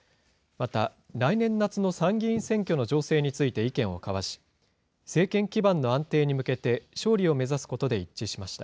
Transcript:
また、来年夏の参議院選挙の情勢について意見を交わし、政権基盤の安定に向けて勝利を目指すことで一致しました。